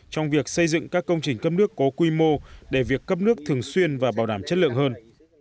trong việc xây dựng các công trình cấp nước có quy mô để việc cấp nước thường xuyên và bảo đảm chất lượng hơn